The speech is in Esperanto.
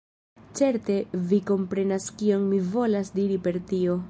Certe vi komprenas kion mi volas diri per tio.